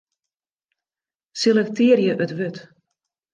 Selektearje it wurd.